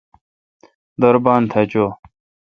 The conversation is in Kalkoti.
دور بان تھا چو۔